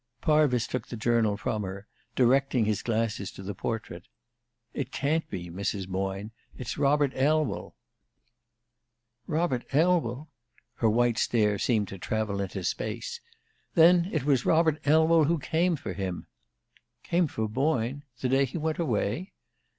Parvis took the journal from her, directing his glasses to the portrait. "It can't be, Mrs. Boyne. It's Robert Elwell." "Robert Elwell?" Her white stare seemed to travel into space. "Then it was Robert Elwell who came for him." "Came for Boyne? The day he went away?"